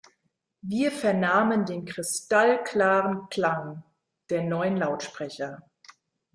Wir vernahmen den kristallklaren Klang der neuen Lautsprecher.